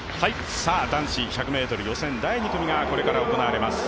男子１００ｍ予選第２組が行われます。